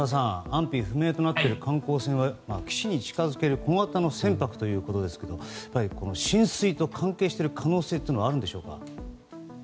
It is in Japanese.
安否不明となっている観光船は岸に近づける小型の船舶ということですが浸水と関係している可能性はあるんでしょうか。